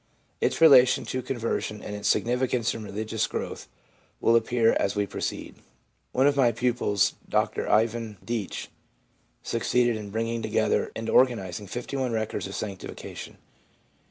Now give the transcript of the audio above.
Its relation to conversion and its significance in religious growth will appear as we proceed. One of my pupils, Mr Ivan Deach, succeeded in bringing together and organising 51 records of sanctifica tion.